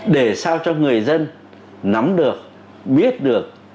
để sao cho người dân nắm được biết được